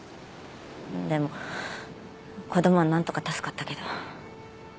でも子供はなんとか助かったけど。